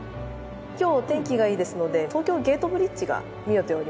今日天気がいいですので東京ゲートブリッジが見えております。